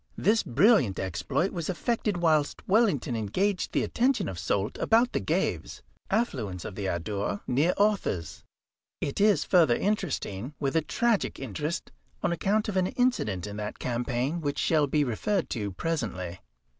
This brilliant exploit was effected whilst Wellington engaged the attention of Soult about the Gaves, affluents of the Adour, near Orthez. It is further interesting, with a tragic interest, on account of an incident in that campaign which shall be referred to presently.